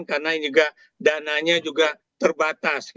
karena ini juga dananya juga terbatas